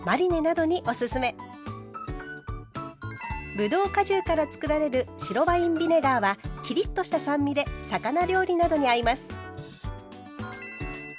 ぶどう果汁からつくられる白ワインビネガーはきりっとした酸味で魚料理などに合います。